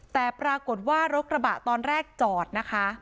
แต่ปรากฏว่ารถกระบะตอนแรกจอดนะคะ